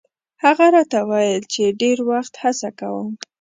هغه راته ویل چې ډېر وخت هڅه کوم.